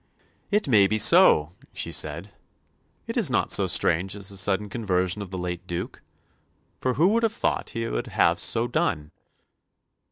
"It may be so," she said. "It is not so strange as the sudden conversion of the late Duke. For who would have thought he would have so done?"